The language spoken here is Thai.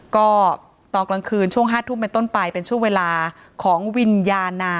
ก็ตอนกลางคืนช่วง๕ทุ่มเป็นต้นไปเป็นช่วงเวลาของวิญญาณนา